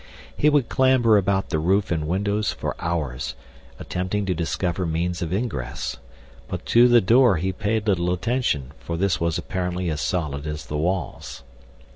He could clamber about the roof and windows for hours attempting to discover means of ingress, but to the door he paid little attention, for this was apparently as solid as the walls.